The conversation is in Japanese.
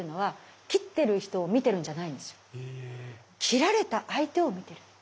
斬られた相手を見てる。